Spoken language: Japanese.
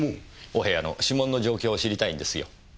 お部屋の指紋の状況を知りたいんですよ。